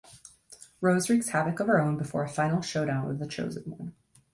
Rose wreaks havoc of her own before a final showdown with the chosen one.